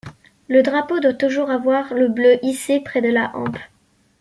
Le drapeau doit toujours avoir le bleu hissé près de la hampe.